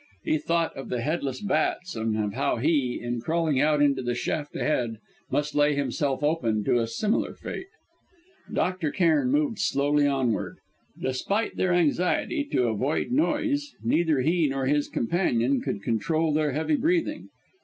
He thought of the headless bats and of how he, in crawling out into the shaft ahead, must lay himself open to a similar fate! Dr. Cairn moved slowly onward. Despite their anxiety to avoid noise, neither he nor his companion could control their heavy breathing.